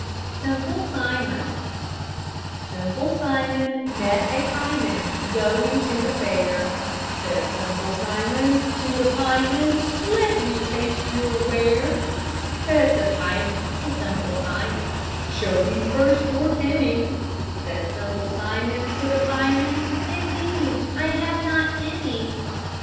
SIMPLE SIMON Simple Simon met a pieman, Going to the fair; Says Simple Simon to the pieman, "Let me taste your ware." Says the pieman to Simple Simon, "Show me first your penny," Says Simple Simon to the pieman, "Indeed, I have not any."